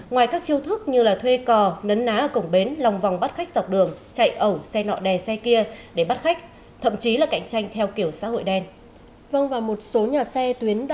ngoài các chiêu thức như thuê cò nấn ná cổng bến lòng vòng bắt khách dọc đường chạy ẩu xe nọ đè xe kia để bắt khách thậm chí là cạnh tranh theo kiểu xã hội đen